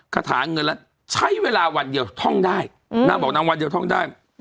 คาถาเงินแล้วใช้เวลาวันเดียวท่องได้นางบอกนางวันเดียวท่องได้